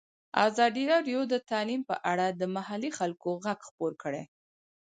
ازادي راډیو د تعلیم په اړه د محلي خلکو غږ خپور کړی.